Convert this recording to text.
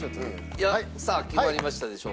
さあ決まりましたでしょうか？